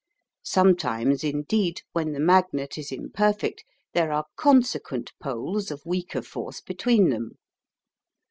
Sometimes, indeed, when the magnet is imperfect, there are "consequent poles" of weaker force between them.